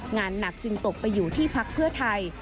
งานหนักจึงตกไปอยู่ที่พักเพื่อไทย